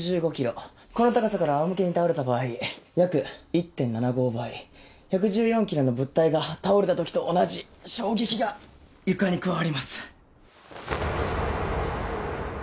この高さから仰向けに倒れた場合約１．７５倍１１４キロの物体が倒れた時と同じ衝撃が床に加わります。